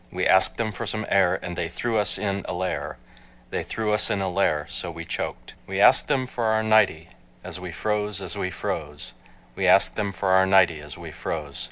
We asked them for some air And they threw us in a lair, They threw us in a lair, so we choked. We asked them for our nightie, As we froze, as we froze, We asked them for our nightie As we froze.